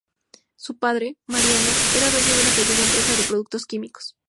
Su padre, Mariano, era dueño de una pequeña empresa de productos químicos.